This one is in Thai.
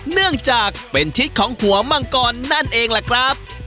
เนื่องจากเป็นทิศของหัวมังกรนั่นเองแหละครับ